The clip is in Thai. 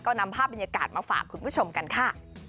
ก็นำภาพบรรยากาศมาฝากคุณผู้ชมกันค่ะ